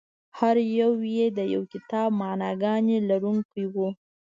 هر یو یې د یو کتاب معناګانې لرونکي وو.